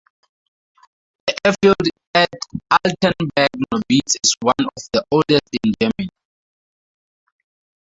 The airfield at Altenburg-Nobitz is one of the oldest in Germany.